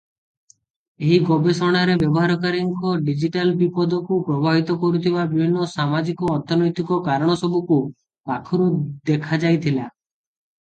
ଏହି ଗବେଷଣାରେ ବ୍ୟବହାରକାରୀଙ୍କ ଡିଜିଟାଲ ବିପଦକୁ ପ୍ରଭାବିତ କରୁଥିବା ବିଭିନ୍ନ ସାମାଜିକ-ଅର୍ଥନୈତିକ କାରଣସବୁକୁ ପାଖରୁ ଦେଖାଯାଇଥିଲା ।